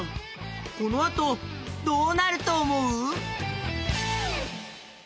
このあとどうなるとおもう？